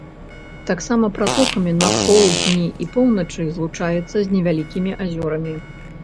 Таксама пратокамі на поўдні і поўначы злучаецца з невялікімі азёрамі.